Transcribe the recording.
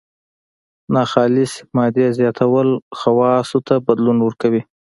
ناخالصې مادې زیاتول خواصو ته بدلون ورکوي.